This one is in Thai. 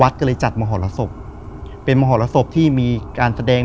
ก็เลยจัดมหรสบเป็นมหรสบที่มีการแสดง